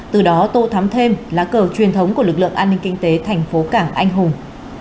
từ đó tô thắm thêm lá cờ truyền thống của lực lượng an ninh kinh tế thành phố cảng anh hùng